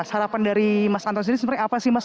harapan dari mas anton sendiri sebenarnya apa sih mas